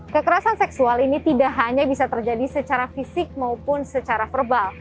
kekerasan seksual ini tidak hanya bisa terjadi secara fisik maupun secara verbal